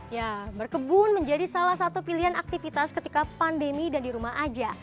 ya berkebun menjadi salah satu pilihan aktivitas ketika pandemi dan di rumah aja